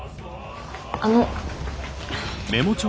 あの。